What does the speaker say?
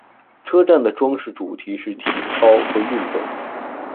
车站的装饰主题是“体操和运动”。